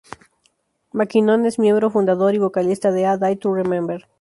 McKinnon es miembro, fundador y vocalista de A Day to Remember.